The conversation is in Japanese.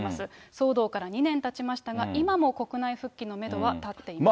騒動から２年たちましたが、今も国内復帰のメドは立っていません。